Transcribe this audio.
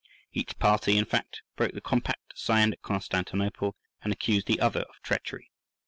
Each party, in fact, broke the compact signed at Constantinople, and accused the other of treachery.